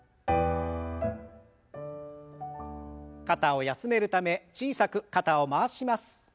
肩を休めるため小さく肩を回します。